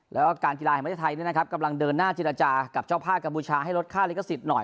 แล้วก็การกีฬาแห่งประเทศไทยกำลังเดินหน้าเจรจากับเจ้าภาพกัมพูชาให้ลดค่าลิขสิทธิ์หน่อย